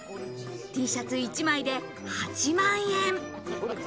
Ｔシャツ一枚で８万円。